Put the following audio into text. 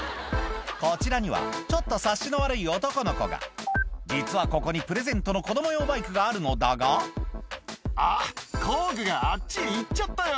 こちらにはちょっと察しの悪い男の子が実はここにプレゼントの子供用バイクがあるのだが「あっ工具があっちいっちゃったよ」